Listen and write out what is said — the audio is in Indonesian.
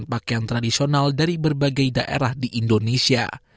pakaian tradisional dari berbagai daerah di indonesia